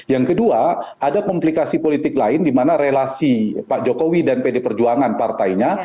yang kedua ada komplikasi politik lain di mana relasi pak jokowi dan pd perjuangan partainya